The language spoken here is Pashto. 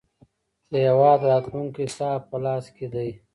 د هیواد راتلونکی ستا په لاس کې دی.